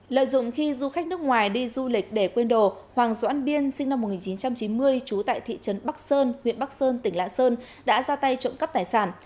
lợi dụng khi du khách nước ngoài đi du lịch để quên đồ hoàng doãn biên sinh năm một nghìn chín trăm chín mươi trú tại thị trấn bắc sơn huyện bắc sơn tỉnh lạng sơn đã ra tay trộm cắp tài sản